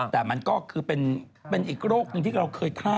แต่เป็นอีกโรคนึงที่เราเคยฆ่า